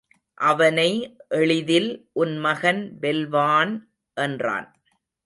அவனை எளிதில் உன் மகன் வெல்வான் என்றான்.